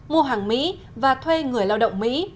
mua hàng mỹ và thuê người lao động mỹ